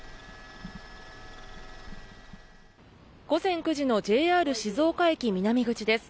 午前９時のＪＲ静岡駅南口です。